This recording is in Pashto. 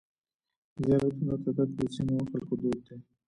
زیارتونو ته تګ د ځینو خلکو دود دی.